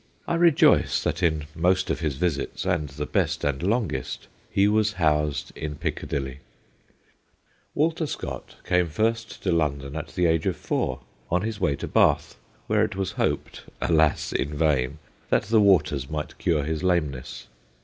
I rejoice that in most of his visits and the best and longest he was housed in Piccadilly. 194 THE GHOSTS OF PICCADILLY Walter Scott came first to London at the age of four, on his way to Bath, where it was hoped alas I in vain that the waters might cure his lameness.